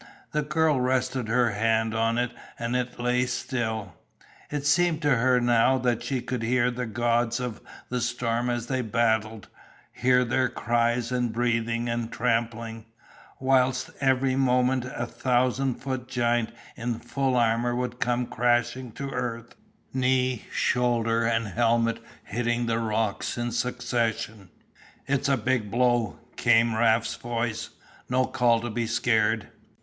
The girl rested her hand on it and it lay still. It seemed to her now that she could hear the gods of the storm as they battled, hear their cries and breathing and trampling, whilst every moment a thousand foot giant in full armour would come crashing to earth, knee, shoulder and helmet hitting the rocks in succession. "It's a big blow," came Raft's voice, "no call to be scared."